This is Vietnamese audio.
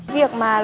việc mà lo lắng